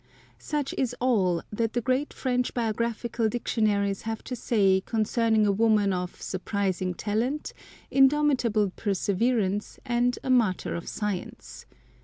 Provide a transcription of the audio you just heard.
Such is all that the great French bio graphical dictionaries have to say concerning a woman of surprising talent, indomitable perseverance, and a martyr of science.